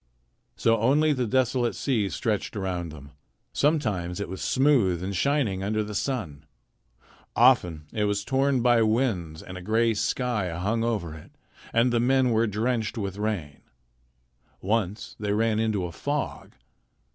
So only the desolate sea stretched around them. Sometimes it was smooth and shining under the sun. Often it was torn by winds, and a gray sky hung over it, and the men were drenched with rain. Once they ran into a fog.